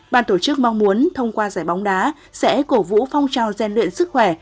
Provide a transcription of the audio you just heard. bàn tổ chức mong muốn thông qua giải bóng đá sẽ cổ vũ phong trào rèn luyện sức khỏe